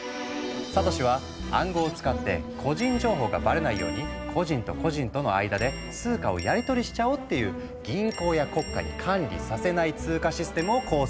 サトシは「暗号を使って個人情報がバレないように個人と個人との間で通貨をやりとりしちゃおう」っていう銀行や国家に管理させない通貨システムを構想したの。